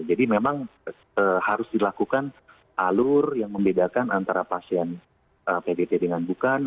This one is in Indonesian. jadi memang harus dilakukan alur yang membedakan antara pasien pdt dengan bukan